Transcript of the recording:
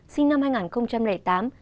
sinh năm hai nghìn tám